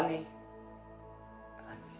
rani siapa lagi